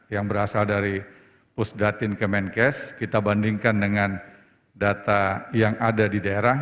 yang berasal dari pusdatin kemenkes kita bandingkan dengan data yang ada di daerah